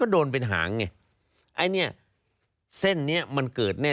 มันก็โดนเป็นห่างเส้นนี้มันเกิดแน่